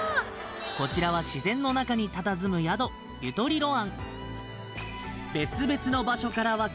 こちらは自然のなかにたたずむ宿ゆとりろ庵